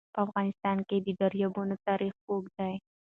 په افغانستان کې د دریابونه تاریخ اوږد دی.